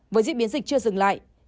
với diễn biến dịch chưa dừng lại